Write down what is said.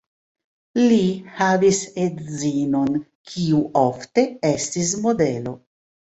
Li havis edzinon, kiu ofte estis modelo.